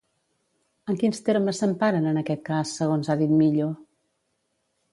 En quins termes s'emparen en aquest cas, segons ha dit Millo?